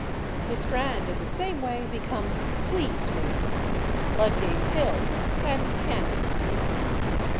The Strand, in the same way, becomes /Fleet/ street, /Ludgate/ hill and /Cannon/ street.